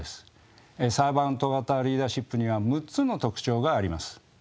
サーバント型リーダーシップには６つの特徴があります。